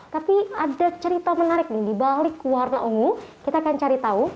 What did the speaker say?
tapi ada cerita menarik nih dibalik warna ungu kita akan cari tahu